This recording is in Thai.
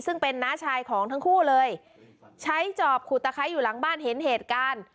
ซึ่งเป็นน้าชายของทั้งคู่เลยใช้จอบขุดตะไคร้อยู่หลังบ้านเห็นเหตุการณ์